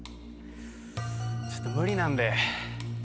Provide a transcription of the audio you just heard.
ちょっと無理なんで。